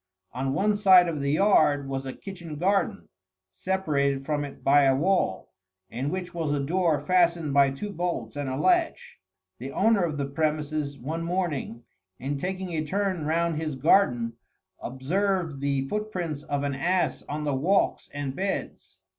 On one side of the yard was a kitchen garden, separated from it by a wall, in which was a door fastened by two bolts and a latch. The owner of the premises one morning, in taking a turn round his garden, observed the footprints of an ass on the walks and beds.